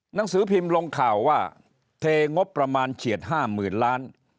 หนังสือพิมพ์ลงข่าวว่าเทงบประมาณเฉียด๕๐๐๐ล้าน